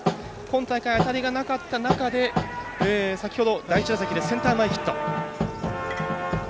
今大会、当たりがなかった中で先ほど第１打席でセンター前ヒット。